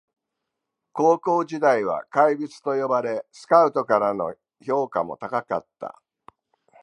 高校時代は怪物と呼ばれスカウトからの評価も高かった